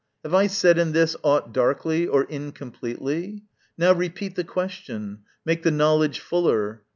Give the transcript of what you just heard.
Have I said in this Aught darkly or incompletely? now repeat The question, make the knowledge fuller!